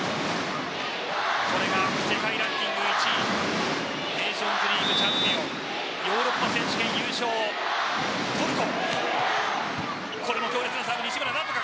これが世界ランキング１位ネーションズリーグチャンピオンヨーロッパ選手権優勝、トルコ。